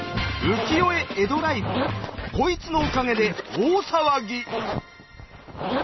こいつのおかげで大騒ぎ！